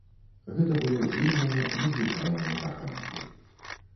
Гэта было дзіўнае, незвычайнае каханне.